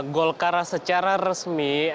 golkar secara resmi